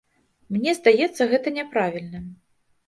Мне здаецца гэта няправільным.